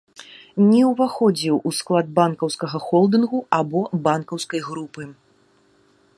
Не ўваходзіў у склад банкаўскага холдынгу, альбо банкаўскай групы.